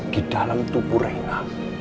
di dalam tubuh rena